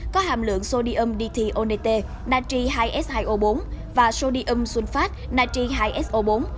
có hàm lượng sodium dithionate natchi hai so bốn và sodium sulfate natchi hai so bốn